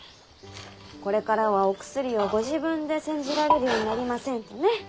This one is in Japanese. これからはお薬をご自分で煎じられるようになりませんとね。